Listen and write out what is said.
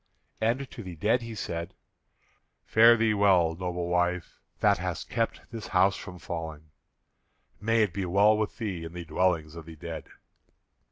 And to the dead he said, "Fare thee well, noble wife, that hast kept this house from falling. May it be well with thee in the dwellings of the dead!"